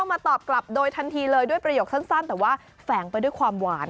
มาตอบกลับโดยทันทีเลยด้วยประโยคสั้นแต่ว่าแฝงไปด้วยความหวาน